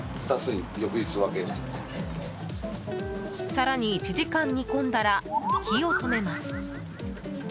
更に１時間煮込んだら火を止めます。